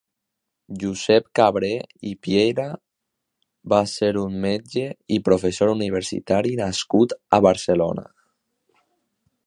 Josep Cabré i Piera va ser un metge i professor universitari nascut a Barcelona.